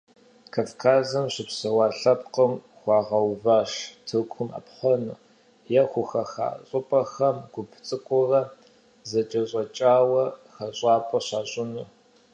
Кавказым щыпсэуа лъэпкъым хуагъэуващ Тыркум Ӏэпхъуэну, е хухаха щӀыпӀэхэм гуп цӀыкӀуурэ зэкӀэщӀэкӀауэ хэщӀапӀэ щащӀыну.